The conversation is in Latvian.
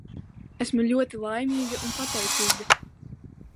Esmu ļoti laimīga un pateicīga.